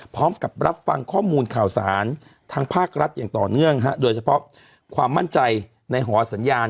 พร้อมกับรับฟังข้อมูลข่าวสารทางภาครัฐอย่างต่อเนื่องโดยเฉพาะความมั่นใจในหอสัญญาณ